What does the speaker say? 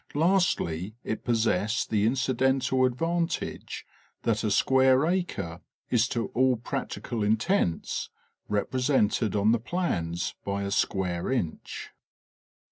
Lastly it possessed the incidental advantage that a square acre is to all practical intents represented on the plans by a square inch..